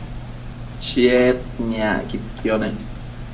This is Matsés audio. Chied niacquidquio nec